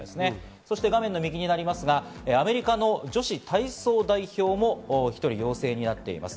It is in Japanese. そして画面の右、アメリカの女子体操代表も１人が陽性になっています。